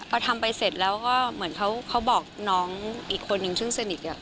พอทำไปเสร็จแล้วก็เหมือนเขาบอกน้องอีกคนนึงซึ่งสนิท